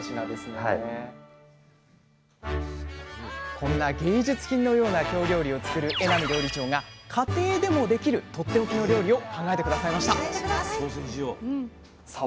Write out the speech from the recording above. こんな芸術品のような京料理を作る榎並料理長が家庭でもできるとっておきの料理を考えて下さいましたさあ